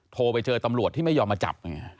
โทรไปเจอตำรวจที่ไม่ยอมมาจับ